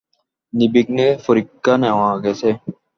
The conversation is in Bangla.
নির্বিঘ্নে পরীক্ষা নেওয়া গেছে।